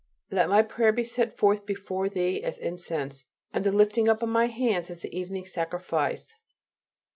"LET MY PRAYER BE SET FORTH BEFORE THEE AS INCENSE: AND THE LIFTING UP OF MY HANDS AS THE EVENING SACRIFICE."